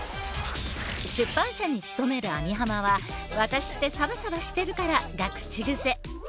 出版社に勤める網浜は「ワタシってサバサバしてるから」が口癖。